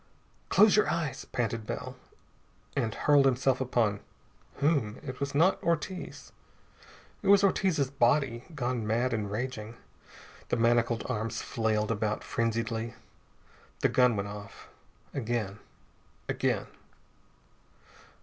"Close your eyes!" panted Bell, and hurled himself upon whom? It was not Ortiz. It was Ortiz's body, gone mad and raging. The manacled arms flailed about frenziedly. The gun went off. Again. Again....